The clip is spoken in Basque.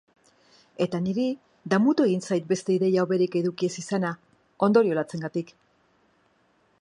Eta niri damutu egin zait beste ideia hoberik eduki ez izana, ondorio latzengatik.